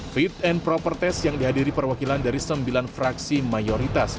fit and proper test yang dihadiri perwakilan dari sembilan fraksi mayoritas